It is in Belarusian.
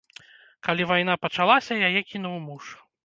Калі вайна пачалася, яе кінуў муж.